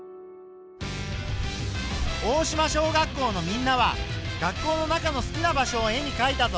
大島小学校のみんなは学校の中の好きな場所を絵にかいたぞ。